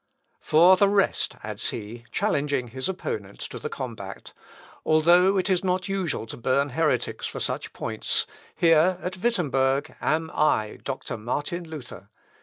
"For the rest," adds he, challenging his opponents to the combat, "although it is not usual to burn heretics for such points, here, at Wittemberg, am I, Doctor Martin Luther!